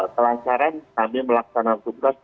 telahkaran kami melaksanakan tugas